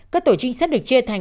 các tổ trinh sát được chia thành